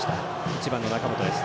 １番の中本です。